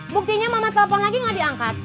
buktinya mama telepon lagi gak diangkat